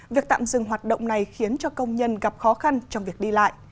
việc tạm dừng hoạt động này khiến cho công nhân gặp khó khăn trong việc đi lại